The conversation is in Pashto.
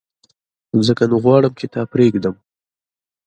ځکه نو غواړم چي تا پرېږدم !